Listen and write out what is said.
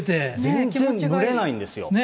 全然蒸れないんですよ。